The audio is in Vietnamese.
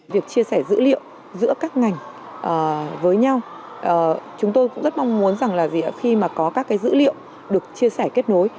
việc chia sẻ dữ liệu giữa các ngành với nhau chúng tôi cũng rất mong muốn rằng là khi mà có các dữ liệu được chia sẻ kết nối